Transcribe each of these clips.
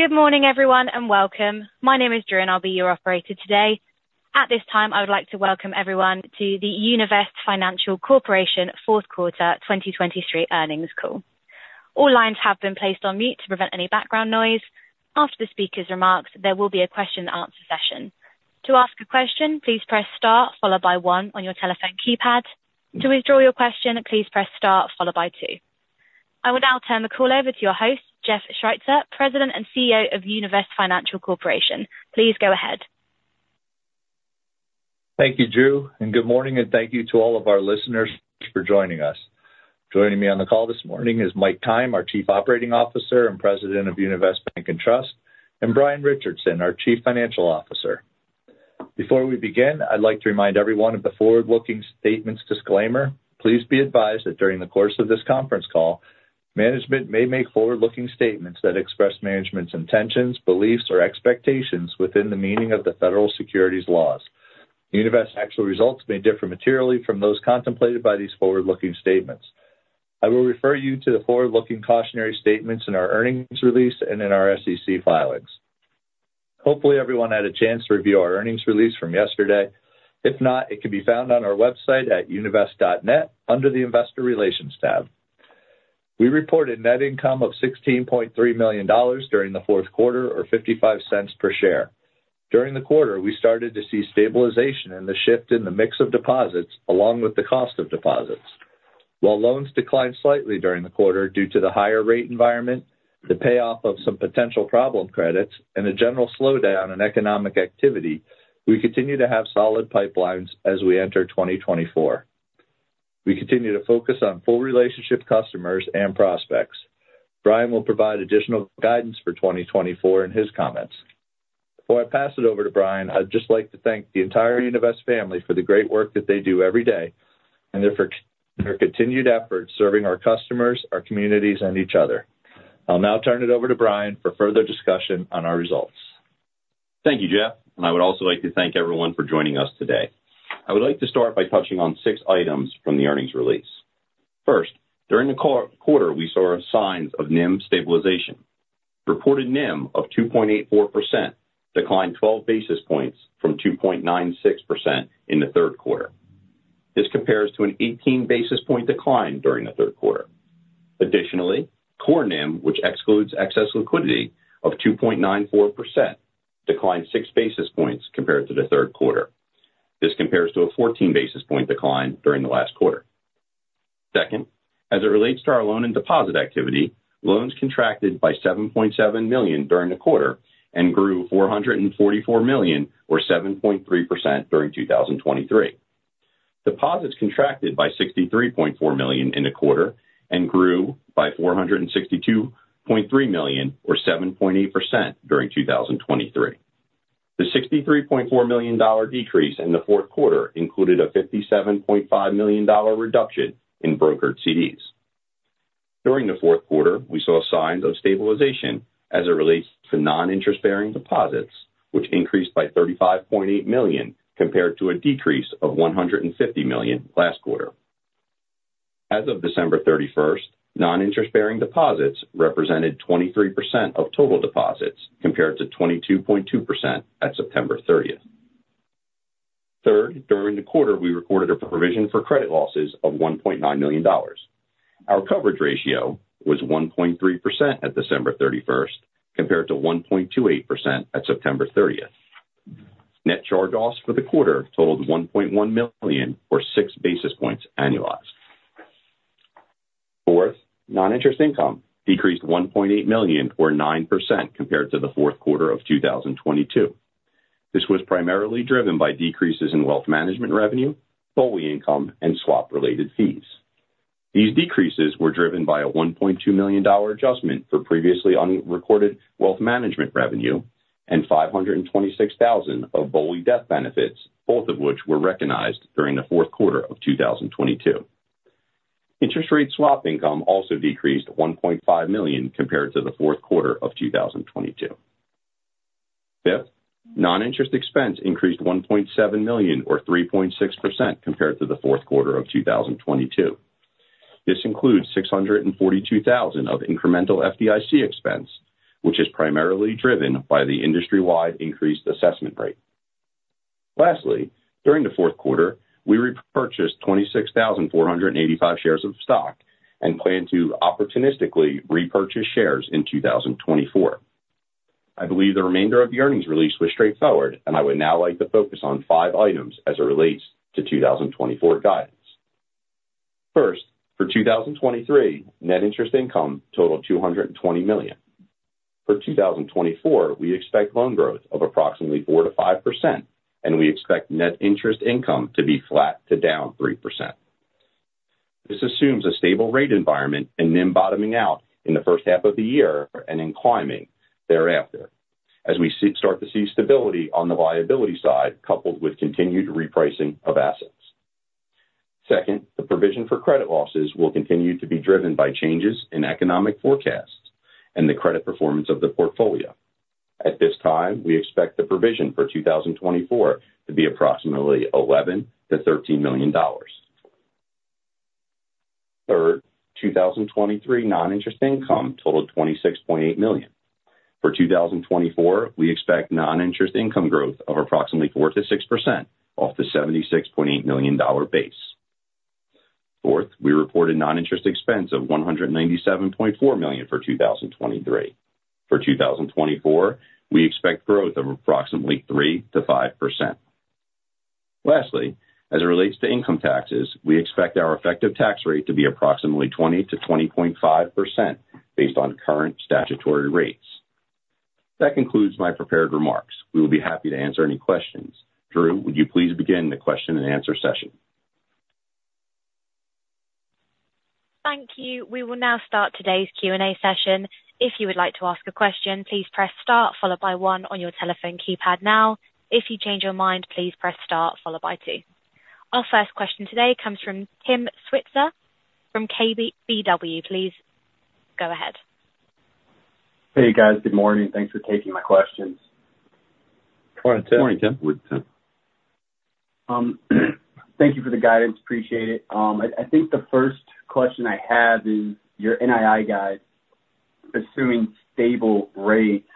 Good morning, everyone, and welcome. My name is Drew, and I'll be your operator today. At this time, I would like to welcome everyone to the Univest Financial Corporation fourth quarter 2023 earnings call. All lines have been placed on mute to prevent any background noise. After the speaker's remarks, there will be a question and answer session. To ask a question, please press star, followed by one on your telephone keypad. To withdraw your question, please press star, followed by two. I will now turn the call over to your host, Jeff Schweitzer, President and CEO of Univest Financial Corporation. Please go ahead. Thank you, Drew, and good morning, and thank you to all of our listeners for joining us. Joining me on the call this morning is Mike Keim, our Chief Operating Officer and President of Univest Bank and Trust, and Brian Richardson, our Chief Financial Officer. Before we begin, I'd like to remind everyone of the forward-looking statements disclaimer. Please be advised that during the course of this conference call, management may make forward-looking statements that express management's intentions, beliefs, or expectations within the meaning of the federal securities laws. Univest's actual results may differ materially from those contemplated by these forward-looking statements. I will refer you to the forward-looking cautionary statements in our earnings release and in our SEC filings. Hopefully, everyone had a chance to review our earnings release from yesterday. If not, it can be found on our website at univest.net under the Investor Relations tab. We reported net income of $16.3 million during the fourth quarter, or $0.55 per share. During the quarter, we started to see stabilization in the shift in the mix of deposits, along with the cost of deposits. While loans declined slightly during the quarter due to the higher rate environment, the payoff of some potential problem credits and a general slowdown in economic activity, we continue to have solid pipelines as we enter 2024. We continue to focus on full relationship customers and prospects. Brian will provide additional guidance for 2024 in his comments. Before I pass it over to Brian, I'd just like to thank the entire Univest family for the great work that they do every day and for their continued efforts serving our customers, our communities, and each other. I'll now turn it over to Brian for further discussion on our results. Thank you, Jeff, and I would also like to thank everyone for joining us today. I would like to start by touching on six items from the earnings release. First, during the quarter, we saw signs of NIM stabilization. Reported NIM of 2.84% declined 12 basis points from 2.96% in the third quarter. This compares to an 18 basis point decline during the third quarter. Additionally, core NIM, which excludes excess liquidity of 2.94%, declined 6 basis points compared to the third quarter. This compares to a 14 basis point decline during the last quarter. Second, as it relates to our loan and deposit activity, loans contracted by $7.7 million during the quarter and grew $444 million, or 7.3% during 2023. Deposits contracted by $63.4 million in the quarter and grew by $462.3 million, or 7.8% during 2023. The $63.4 million decrease in the fourth quarter included a $57.5 million reduction in brokered CDs. During the fourth quarter, we saw signs of stabilization as it relates to non-interest-bearing deposits, which increased by $35.8 million compared to a decrease of $150 million last quarter. As of December 31st, non-interest-bearing deposits represented 23% of total deposits, compared to 22.2% at September 30th. Third, during the quarter, we recorded a provision for credit losses of $1.9 million. Our coverage ratio was 1.3% at December 31st, compared to 1.28% at September 30th. Net charge-offs for the quarter totaled $1.1 million, or 6 basis points annualized. Fourth, non-interest income decreased $1.8 million, or 9%, compared to the fourth quarter of 2022. This was primarily driven by decreases in wealth management revenue, BOLI income, and swap-related fees. These decreases were driven by a $1.2 million dollar adjustment for previously unrecorded wealth management revenue and $526,000 of BOLI death benefits, both of which were recognized during the fourth quarter of 2022. Interest rate swap income also decreased $1.5 million compared to the fourth quarter of 2022. Fifth, non-interest expense increased $1.7 million, or 3.6%, compared to the fourth quarter of 2022. This includes $642,000 of incremental FDIC expense, which is primarily driven by the industry-wide increased assessment rate. Lastly, during the fourth quarter, we repurchased 26,485 shares of stock and plan to opportunistically repurchase shares in 2024. I believe the remainder of the earnings release was straightforward, and I would now like to focus on five items as it relates to 2024 guidance. First, for 2023, net interest income totaled $220 million. For 2024, we expect loan growth of approximately 4%-5%, and we expect net interest income to be flat to down 3%. This assumes a stable rate environment and NIM bottoming out in the first half of the year and then climbing thereafter as we see, start to see stability on the liability side, coupled with continued repricing of assets. Second, the provision for credit losses will continue to be driven by changes in economic forecasts and the credit performance of the portfolio. At this time, we expect the provision for 2024 to be approximately $11 million-$13 million. Third, 2023 non-interest income totaled $26.8 million. For 2024, we expect non-interest income growth of approximately 4%-6% off the $76.8 million dollar base. Fourth, we reported non-interest expense of $197.4 million for 2023. For 2024, we expect growth of approximately 3%-5%. Lastly, as it relates to income taxes, we expect our effective tax rate to be approximately 20%-20.5% based on current statutory rates. That concludes my prepared remarks. We will be happy to answer any questions. Drew, would you please begin the question and answer session? Thank you. We will now start today's Q&A session. If you would like to ask a question, please press star followed by one on your telephone keypad now. If you change your mind, please press star followed by two. Our first question today comes from Tim Switzer from KBW. Please go ahead. Hey, guys. Good morning. Thanks for taking my questions. Good morning, Tim. Morning, Tim. Thank you for the guidance. Appreciate it. I think the first question I have is your NII guide, assuming stable rates,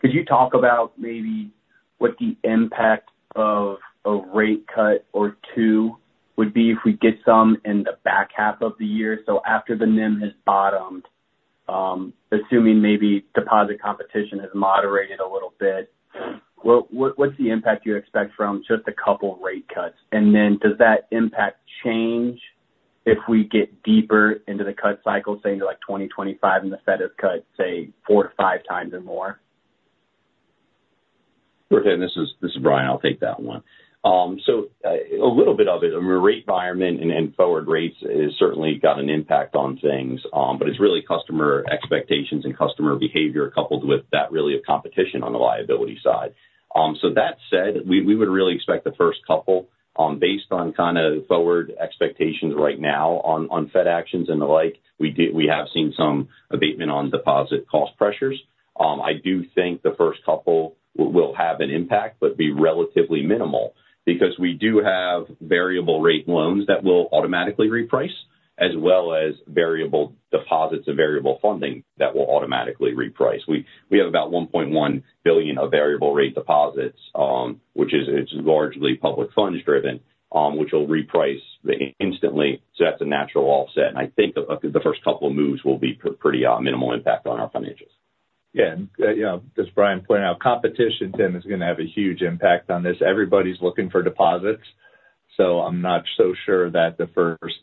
could you talk about maybe what the impact of a rate cut or two would be if we get some in the back half of the year? So after the NIM has bottomed, assuming maybe deposit competition has moderated a little bit, what's the impact you expect from just a couple rate cuts? And then does that impact change if we get deeper into the cut cycle, say, into like 2025, and the Fed has cut, say, 4-5 times or more? Sure thing. This is, this is Brian. I'll take that one. So, a little bit of it. I mean, rate environment and, and forward rates has certainly got an impact on things. But it's really customer expectations and customer behavior coupled with that really of competition on the liability side. So that said, we, we would really expect the first couple, based on kind of forward expectations right now on, on Fed actions and the like, we have seen some abatement on deposit cost pressures. I do think the first couple will have an impact, but be relatively minimal because we do have variable rate loans that will automatically reprice, as well as variable deposits and variable funding that will automatically reprice. We have about $1.1 billion of variable rate deposits, which is it's largely public funds driven, which will reprice instantly, so that's a natural offset, and I think the first couple of moves will be pretty minimal impact on our financials. Yeah, and you know, as Brian pointed out, competition, Tim, is gonna have a huge impact on this. Everybody's looking for deposits, so I'm not so sure that the first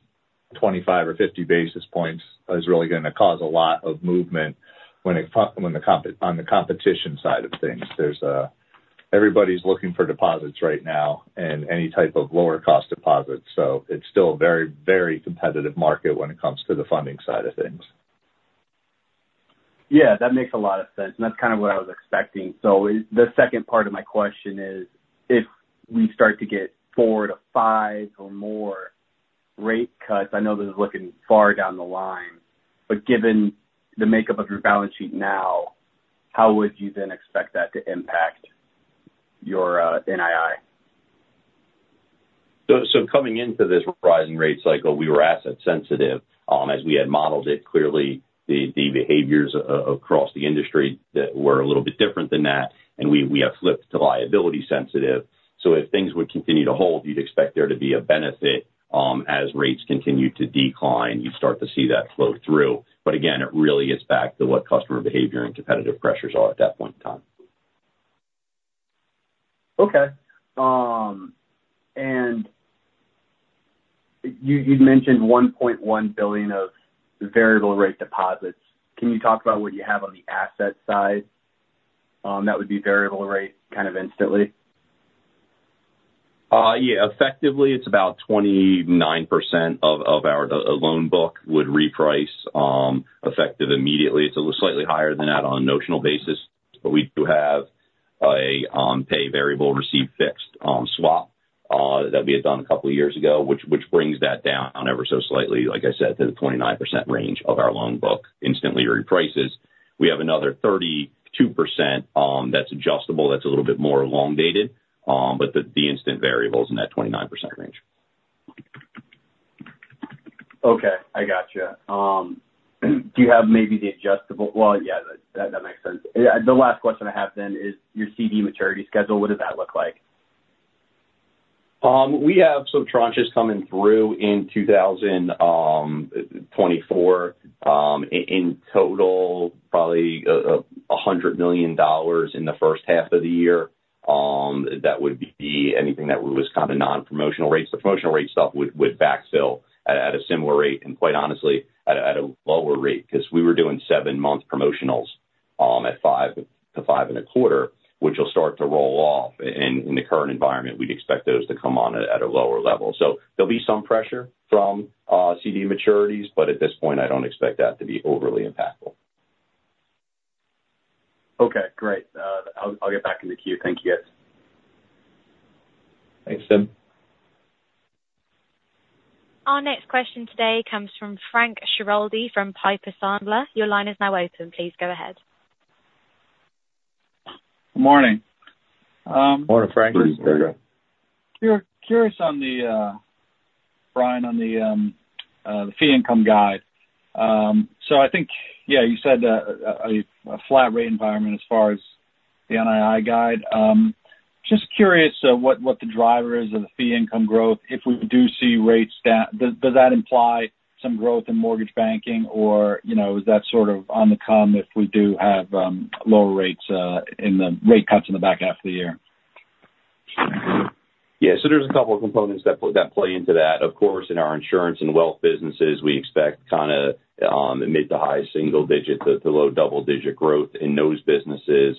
25 or 50 basis points is really gonna cause a lot of movement when it comes to the competition side of things. Everybody's looking for deposits right now and any type of lower cost deposits, so it's still a very, very competitive market when it comes to the funding side of things. Yeah, that makes a lot of sense, and that's kind of what I was expecting. So the second part of my question is, if we start to get 4-5 or more rate cuts, I know this is looking far down the line, but given the makeup of your balance sheet now, how would you then expect that to impact your NII? So, coming into this rising rate cycle, we were asset sensitive, as we had modeled it. Clearly, the behaviors across the industry that were a little bit different than that, and we have flipped to liability sensitive. So if things would continue to hold, you'd expect there to be a benefit. As rates continue to decline, you'd start to see that flow through. But again, it really is back to what customer behavior and competitive pressures are at that point in time. Okay. And you, you'd mentioned $1.1 billion of variable rate deposits. Can you talk about what you have on the asset side, that would be variable rate kind of instantly? Yeah. Effectively, it's about 29% of our loan book that would reprice effective immediately. It's slightly higher than that on a notional basis, but we do have a pay variable receive fixed swap that we had done a couple of years ago, which brings that down ever so slightly, like I said, to the 29% range of our loan book, instantly reprices. We have another 32%, that's adjustable, that's a little bit more elongated, but the instant variable is in that 29% range. Okay. I gotcha. Do you have maybe the adjustable... Well, yeah, that, that makes sense. The last question I have then is your CD maturity schedule. What does that look like? We have some tranches coming through in 2024. In total, probably, a hundred million dollars in the first half of the year. That would be anything that was kind of non-promotional rates. The promotional rate stuff would backfill at a similar rate, and quite honestly, at a lower rate, because we were doing seven-month promotionals at 5%-5.25%, which will start to roll off. In the current environment, we'd expect those to come on at a lower level. So there'll be some pressure from CD maturities, but at this point, I don't expect that to be overly impactful. Okay, great. I'll get back in the queue. Thank you, guys. Thanks, Tim. Our next question today comes from Frank Schiraldi from Piper Sandler. Your line is now open. Please go ahead. Good morning. Morning, Frank. Morning Frank Curious, curious on the, Brian, on the, the fee income guide. So I think, yeah, you said that a flat rate environment as far as the NII guide. Just curious, what the driver is of the fee income growth. If we do see rates down, does that imply some growth in mortgage banking, or, you know, is that sort of on the come if we do have, lower rates, in the rate cuts in the back half of the year? Yeah. So there's a couple of components that that play into that. Of course, in our insurance and wealth businesses, we expect kind of mid- to high-single-digit to low-double-digit growth in those businesses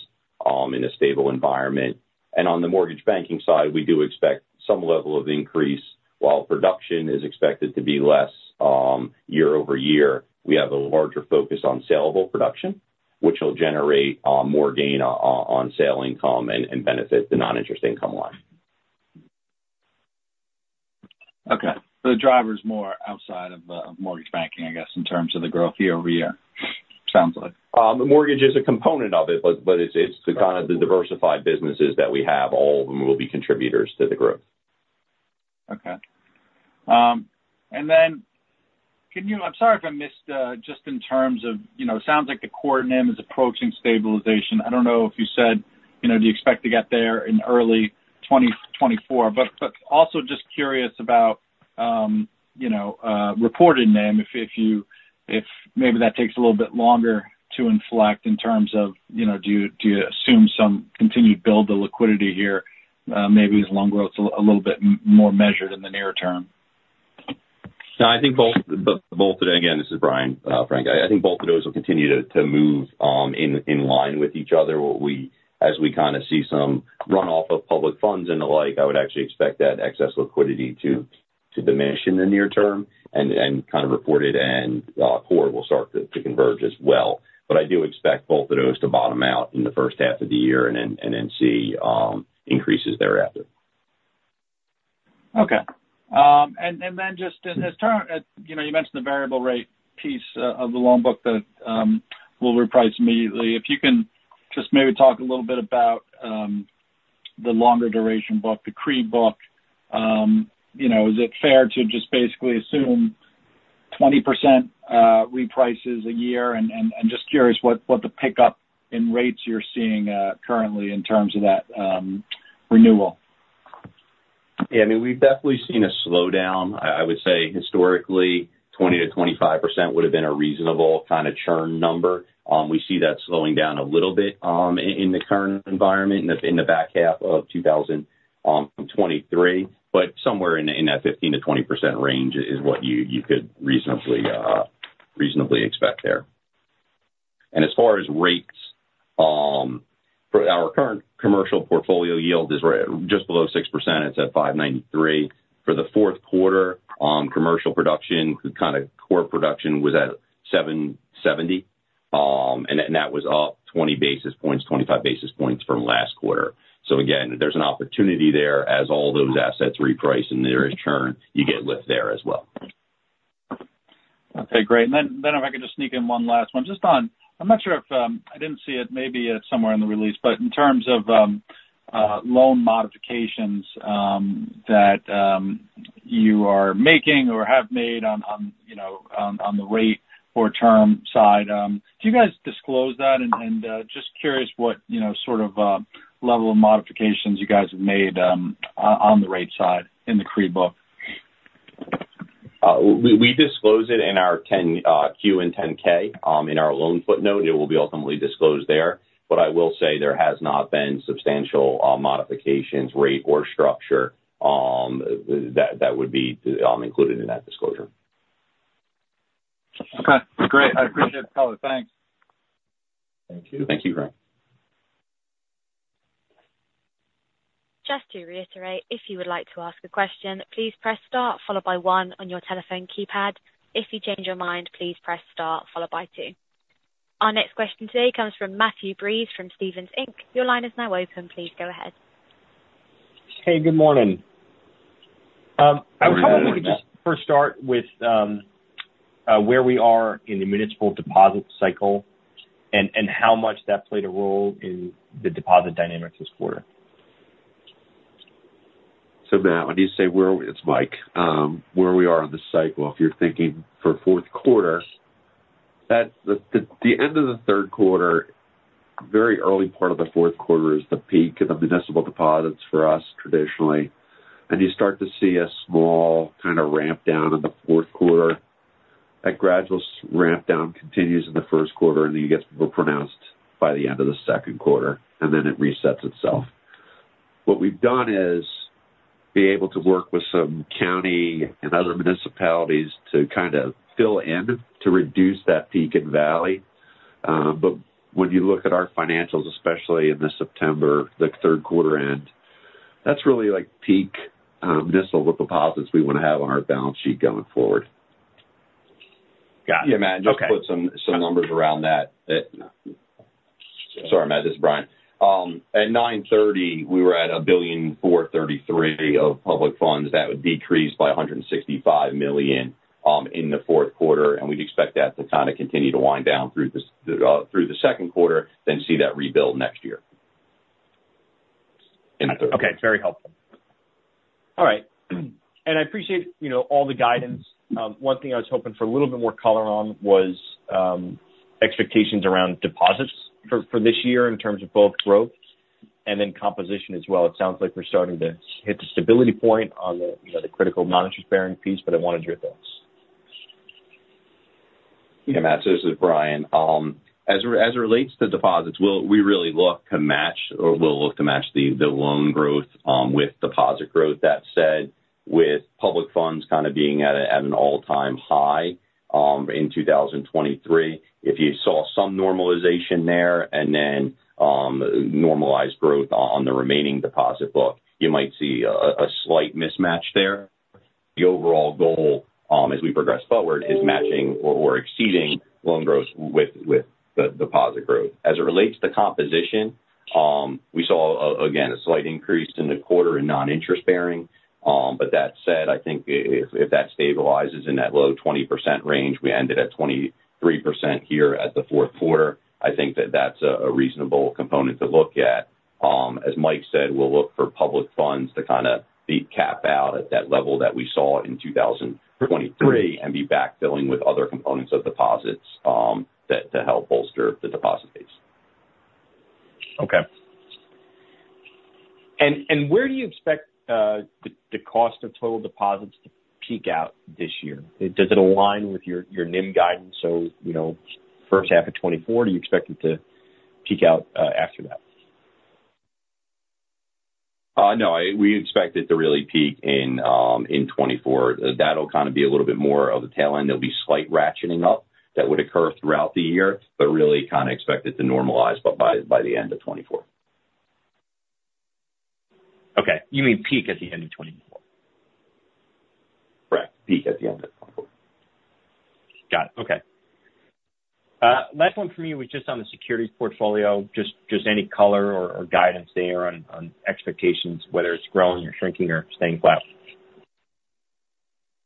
in a stable environment. And on the mortgage banking side, we do expect some level of increase. While production is expected to be less year-over-year, we have a larger focus on saleable production, which will generate more gain on sale income and benefit the non-interest income line. Okay. So the driver is more outside of, of mortgage banking, I guess, in terms of the growth year-over-year, sounds like. The mortgage is a component of it, but it's the kind of the diversified businesses that we have. All of them will be contributors to the growth. Okay. And then can you, I'm sorry if I missed, just in terms of, you know, it sounds like the core NIM is approaching stabilization. I don't know if you said, you know, do you expect to get there in early 2024? But also just curious about, you know, reported NIM, if, if you, if maybe that takes a little bit longer to inflect in terms of, you know, do you, do you assume some continued build to liquidity here, maybe as loan growth's a little bit more measured in the near term? No, I think both. Again, this is Brian, Frank. I think both of those will continue to move in line with each other. As we kind of see some runoff of public funds and the like, I would actually expect that excess liquidity to diminish in the near term and kind of report it, and core will start to converge as well. But I do expect both of those to bottom out in the first half of the year and then see increases thereafter. Okay. And then just a term, you know, you mentioned the variable rate piece of the loan book that will reprice immediately. If you can just maybe talk a little bit about the longer duration book, the CRE book. You know, is it fair to just basically assume 20% reprices a year? And just curious what the pickup in rates you're seeing currently in terms of that renewal. Yeah. I mean, we've definitely seen a slowdown. I would say historically, 20-25% would have been a reasonable kind of churn number. We see that slowing down a little bit, in the current environment in the back half of 2023. But somewhere in that 15-20% range is what you could reasonably expect there. And as far as rates, for our current commercial portfolio yield is right at just below 6%. It's at 5.93. For the fourth quarter, commercial production, kind of core production was at 7.70, and that was up twenty basis points, twenty-five basis points from last quarter. So again, there's an opportunity there as all those assets reprice and there is churn, you get lift there as well. Okay, great. And then if I could just sneak in one last one, just on... I'm not sure if I didn't see it. Maybe it's somewhere in the release, but in terms of loan modifications that you are making or have made on, you know, on the rate or term side, do you guys disclose that? And just curious what, you know, sort of level of modifications you guys have made on the rate side in the CRE book. We disclose it in our 10-Q and 10-K, in our loan footnote. It will be ultimately disclosed there, but I will say there has not been substantial modifications, rate or structure, that would be included in that disclosure. Okay, great. I appreciate the call. Thanks. Thank you. Thank you, Frank. Just to reiterate, if you would like to ask a question, please press star followed by one on your telephone keypad. If you change your mind, please press star followed by two. Our next question today comes from Matthew Breese from Stephens Inc. Your line is now open. Please go ahead. Hey, good morning. Good morning, Matt. I was wondering if we could just first start with where we are in the municipal deposit cycle and how much that played a role in the deposit dynamics this quarter. So, Matt, when you say where—It's Mike. Where we are on the cycle, if you're thinking for fourth quarter, that's the end of the third quarter, very early part of the fourth quarter is the peak of the municipal deposits for us traditionally. And you start to see a small kind of ramp down in the fourth quarter. That gradual ramp down continues in the first quarter, and then it gets more pronounced by the end of the second quarter, and then it resets itself. What we've done is be able to work with some county and other municipalities to kind of fill in to reduce that peak and valley. But when you look at our financials, especially in the September, the third quarter end, that's really like peak municipal deposits we want to have on our balance sheet going forward. Got it. Yeah, Matt, just put some numbers around that. Sorry, Matt, this is Brian. At 9/30, we were at $1.433 billion of public funds. That would decrease by $165 million in the fourth quarter, and we'd expect that to kind of continue to wind down through this through the second quarter, then see that rebuild next year. Okay, very helpful. All right. And I appreciate, you know, all the guidance. One thing I was hoping for a little bit more color on was expectations around deposits for this year in terms of both growth and then composition as well. It sounds like we're starting to hit the stability point on the, you know, the critical non-interest-bearing piece, but I wanted your thoughts. Yeah, Matt, this is Brian. As it relates to deposits, we really look to match or we'll look to match the loan growth with deposit growth. That said, with public funds kind of being at an all-time high in 2023, if you saw some normalization there and then normalized growth on the remaining deposit book, you might see a slight mismatch there. The overall goal as we progress forward is matching or exceeding loan growth with the deposit growth. As it relates to composition, we saw again a slight increase in the quarter in non-interest-bearing. But that said, I think if that stabilizes in that low 20% range, we ended at 23% here at the fourth quarter. I think that that's a reasonable component to look at. As Mike said, we'll look for public funds to kind of peak cap out at that level that we saw in 2023 and be backfilling with other components of deposits to help bolster the deposit base. Okay. And where do you expect the cost of total deposits to peak out this year? Does it align with your NIM guidance so, you know, first half of 2024, do you expect it to peak out after that? No, we expect it to really peak in 2024. That'll kind of be a little bit more of a tail end. There'll be slight ratcheting up that would occur throughout the year, but really kind of expect it to normalize by the end of 2024. Okay. You mean peak at the end of 2024? Correct. Peak at the end of 2024. Got it. Okay. Last one for me was just on the securities portfolio. Just, just any color or, or guidance there on, on expectations, whether it's growing or shrinking or staying flat?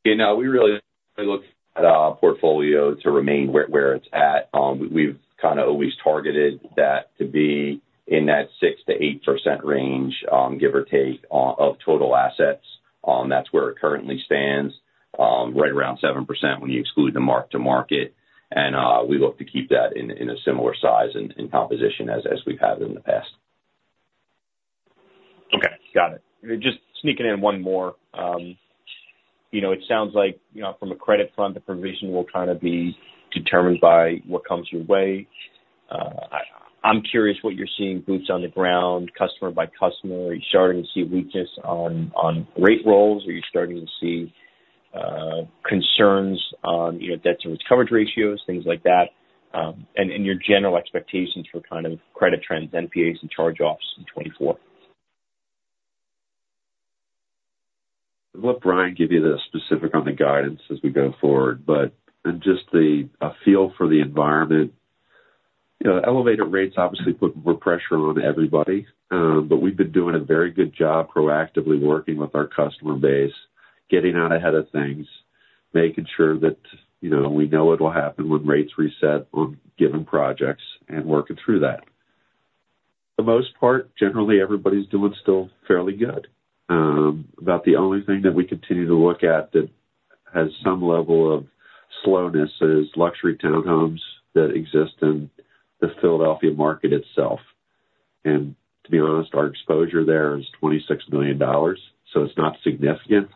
Yeah, no, we really look at our portfolio to remain where it's at. We've kind of always targeted that to be in that 6%-8% range, give or take, of total assets. That's where it currently stands, right around 7% when you exclude the mark to market. We look to keep that in a similar size and composition as we've had it in the past. Okay, got it. Just sneaking in one more. You know, it sounds like, you know, from a credit front, the provision will kind of be determined by what comes your way. I'm curious what you're seeing, boots on the ground, customer by customer. Are you starting to see weakness on rate rolls? Are you starting to see concerns on, you know, debt-to-income coverage ratios, things like that, and your general expectations for kind of credit trends, NPAs, and charge-offs in 2024? We'll let Brian give you the specific on the guidance as we go forward. But in just a feel for the environment, you know, elevated rates obviously put more pressure on everybody. But we've been doing a very good job proactively working with our customer base, getting out ahead of things, making sure that, you know, we know what will happen when rates reset on given projects and working through that. For the most part, generally, everybody's doing still fairly good. About the only thing that we continue to look at that has some level of slowness is luxury townhomes that exist in the Philadelphia market itself. To be honest, our exposure there is $26 million, so it's not significant.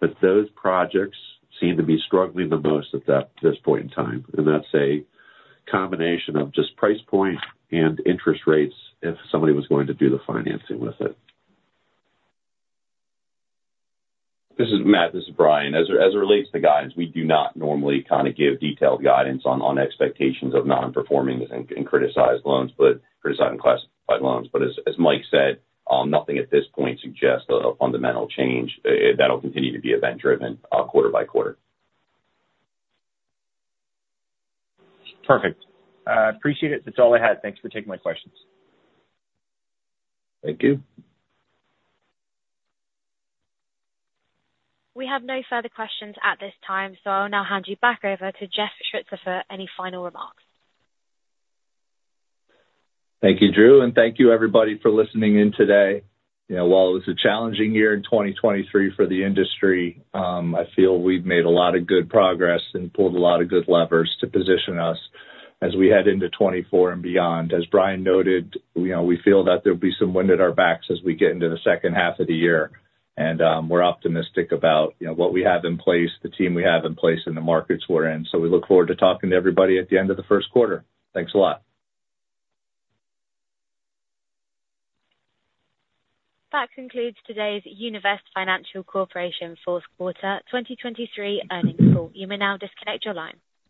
But those projects seem to be struggling the most at this point in time, and that's a combination of just price point and interest rates if somebody was going to do the financing with it. This is Matt. This is Brian. As it relates to guidance, we do not normally kind of give detailed guidance on expectations of non-performing and criticized loans, but criticized and classified loans. But as Mike said, nothing at this point suggests a fundamental change. That'll continue to be event-driven, quarter by quarter. Perfect. I appreciate it. That's all I had. Thanks for taking my questions. Thank you. We have no further questions at this time, so I'll now hand you back over to Jeff Schweitzer for any final remarks. Thank you, Drew, and thank you, everybody, for listening in today. You know, while it was a challenging year in 2023 for the industry, I feel we've made a lot of good progress and pulled a lot of good levers to position us as we head into 2024 and beyond. As Brian noted, you know, we feel that there'll be some wind at our backs as we get into the second half of the year. We're optimistic about, you know, what we have in place, the team we have in place, and the markets we're in. So we look forward to talking to everybody at the end of the first quarter. Thanks a lot. That concludes today's Univest Financial Corporation fourth quarter 2023 earnings call. You may now disconnect your line.